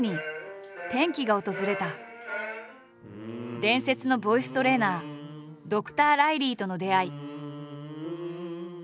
伝説のボイストレーナードクター・ライリーとの出会い。